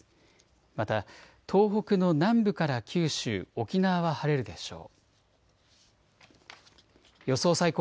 また東北の南部から九州、沖縄は晴れるでしょう。